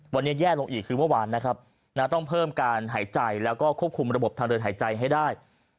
วันนี้แย่ลงอีกคือเมื่อวานนะครับต้องเพิ่มการหายใจแล้วก็ควบคุมระบบทางเดินหายใจให้ได้